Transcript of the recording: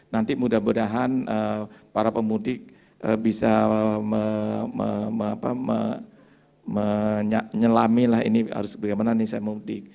nanti mudah mudahan para pemudik bisa menyelami ini harus bagaimana ini saya mau ngerti